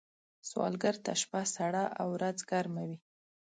سوالګر ته شپه سړه او ورځ ګرمه وي